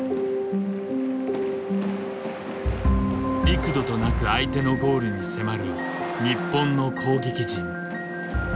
幾度となく相手のゴールに迫る日本の攻撃陣。